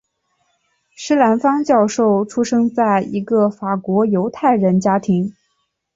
施兰芳教授出生在一个法国犹太人家庭。